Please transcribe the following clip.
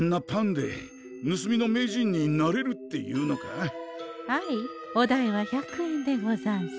あいお代は１００円でござんす。